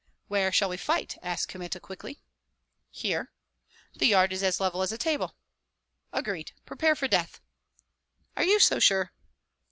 "Where shall we fight?" asked Kmita, quickly. "Here, the yard is as level as a table." "Agreed! Prepare for death." "Are you so sure?"